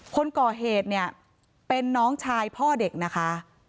คนก่อเหตุเนี่ยเป็นน้องชายพ่อเด็กนะคะ